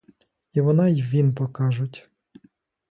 І вона й він покажуть.